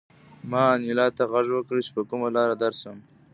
ما انیلا ته غږ وکړ چې په کومه لاره درشم